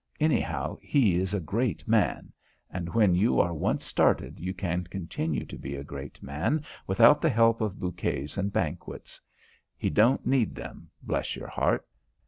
Anyhow he is a great man. And when you are once started you can continue to be a great man without the help of bouquets and banquets. He don't need them bless your heart.